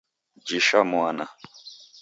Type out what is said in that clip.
Jisha mwana